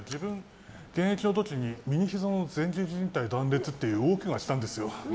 現役の時に右ひざ前十字じん帯断裂っていう大けがしたんですよ。